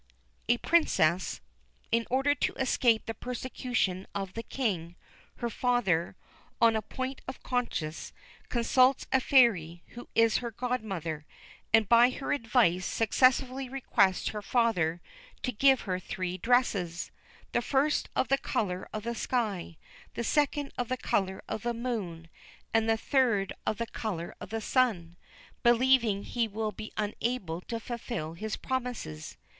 A Princess, in order to escape the persecution of the King, her father, on a point of conscience, consults a fairy, who is her godmother, and by her advice successively requests her father to give her three dresses the first of the colour of the sky, the second of the colour of the moon, and the third of the colour of the sun, believing he will be unable to fulfil his promises.